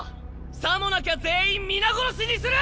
さもなきゃ全員皆殺しにする！